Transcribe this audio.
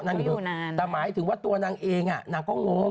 แต่หมายถึงว่าตัวนางเองอ่ะนางก็งง